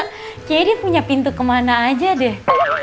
kayaknya dia punya pintu kemana aja deh